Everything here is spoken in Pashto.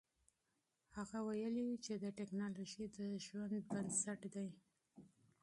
هغه ویلي و چې تکنالوژي د ژوند بنسټ دی.